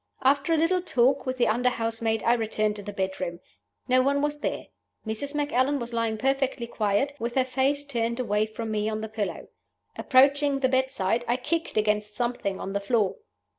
"After a little talk with the under housemaid, I returned to the bedroom. No one was there. Mrs. Macallan was lying perfectly quiet, with her face turned away from me on the pillow. Approaching the bedside, I kicked against something on the floor.